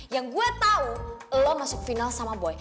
yang gue tahu lo masuk final sama boy